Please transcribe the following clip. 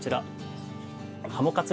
ハモカツ！